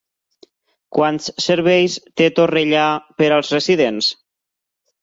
Quants serveis té Torrellà per als residents?